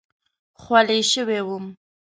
خولې شوی وم.